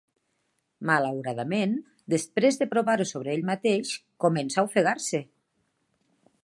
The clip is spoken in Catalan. Malauradament, després de provar-ho sobre ell mateix, comença a ofegar-se.